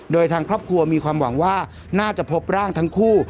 โดยทางครอบครัวมีความหวังว่าน่าจะพบร่างทั้งคู่